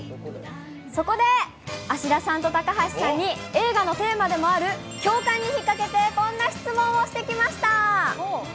そこで、芦田さんと高橋さんに映画のテーマでもある、共感に引っ掛けて、こんな質問をしてきました。